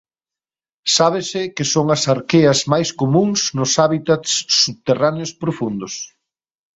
Sábese que son as arqueas máis comúns nos hábitats subterráneos profundos.